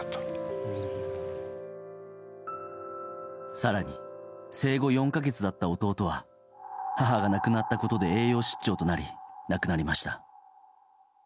更に生後４か月だった弟は母が亡くなったことで栄養失調となり亡くなりました。